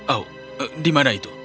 oh di mana itu